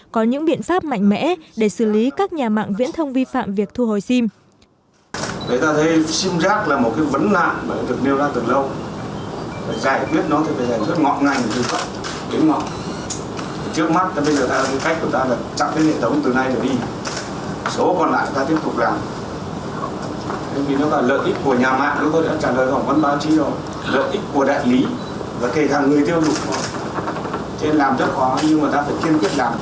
có những biện pháp mạnh mẽ để xử lý các nhà mạng viễn thông vi phạm việc thu hồi sim